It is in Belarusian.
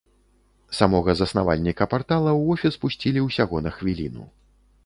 Самога заснавальніка партала ў офіс пусцілі ўсяго на хвіліну.